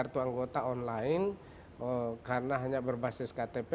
kartu anggota online karena hanya berbasis ktp